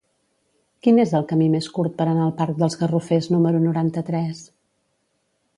Quin és el camí més curt per anar al parc dels Garrofers número noranta-tres?